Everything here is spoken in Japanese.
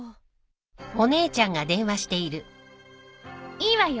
いいわよ。